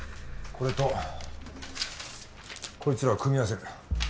これとこいつらを組み合わせる。